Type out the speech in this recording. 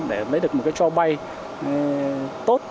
để lấy được một cái cho bay tốt